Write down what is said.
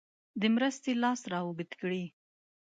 د مرستې لاس را اوږد کړي.